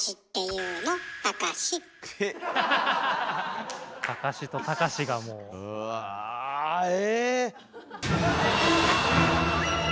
うわぁえ？